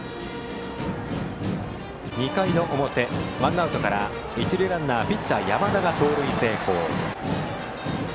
２回の表、ワンアウトから一塁ランナーのピッチャー、山田が盗塁成功。